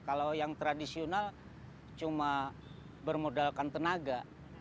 kalau yang tradisional cuma bermodalkan tenaga